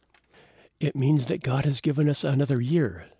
"It means that God is giving us another year!"